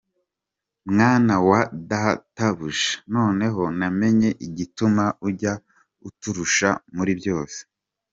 Ati: “Mwana wa Databuja, noneho namenye igituma ujya uturusha muri byose.